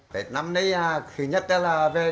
tết năm nay thứ nhất là về đi học